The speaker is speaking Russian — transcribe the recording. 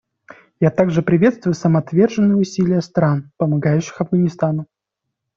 Я также приветствую самоотверженные усилия стран, помогающих Афганистану.